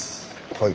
はい。